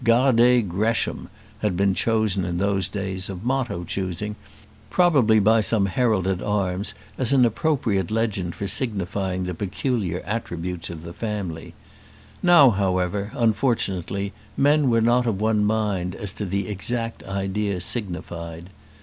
"Gardez Gresham," had been chosen in the days of motto choosing probably by some herald at arms as an appropriate legend for signifying the peculiar attributes of the family. Now, however, unfortunately, men were not of one mind as to the exact idea signified.